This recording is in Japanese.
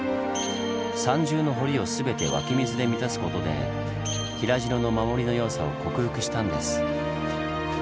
３重の堀を全て湧き水で満たすことで平城の守りの弱さを克服したんです。